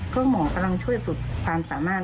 ก็หมอกำลังช่วยสุดความสามารถ